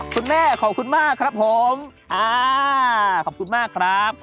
คุณแม่ขอบคุณมากครับผมอ่าขอบคุณมากครับ